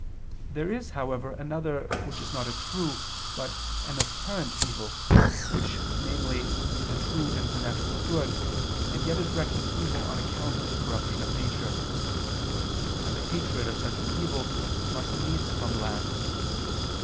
There is, however, another which is not a true, but an apparent evil, which, namely, is a true and connatural good, and yet is reckoned evil on account of the corruption of nature: and the hatred of such an evil must needs come last.